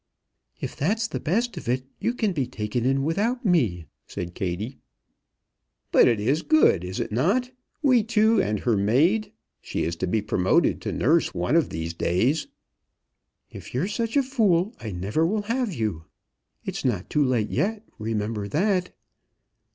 "If that's the best of it, you can be taken in without me," said Kattie. "But it is good; is it not? We two, and her maid. She's to be promoted to nurse one of these days." "If you're such a fool, I never will have you. It's not too late yet, remember that."